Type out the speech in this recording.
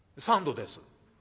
「三度です」。